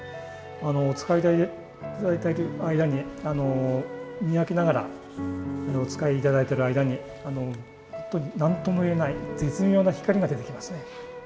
お使い頂いてる間に磨きながらお使い頂いてる間に本当に何ともいえない絶妙な光が出てきますね。